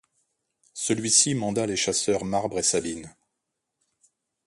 Celui-ci manda les chasseurs Marbre et Sabine.